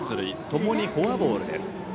ともにフォアボールです。